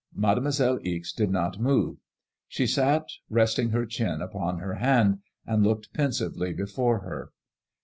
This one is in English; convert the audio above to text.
Mademoiselle Ixe did not move. She sat resting her chin upon her hand, and looking pensively before her.